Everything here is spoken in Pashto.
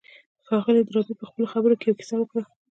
ښاغلي ډاربي په خپلو خبرو کې يوه کيسه وکړه.